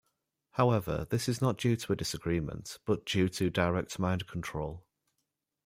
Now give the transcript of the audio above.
However, this is not due to a disagreement, but due to direct mind control.